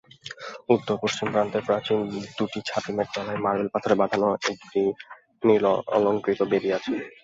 উত্তরপশ্চিম প্রান্তে প্রাচীন দুটি ছাতিমের তলায় মার্বেল পাথরে বাঁধানো একটি নিরলংকৃত বেদী।